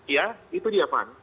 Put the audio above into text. itu dia pan